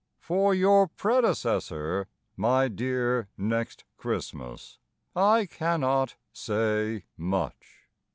For your predecessor, My dear Next Christmas, I cannot say much.